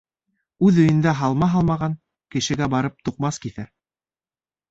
Үҙ өйөндә һалма һалмаған, кешегә барып туҡмас киҫә.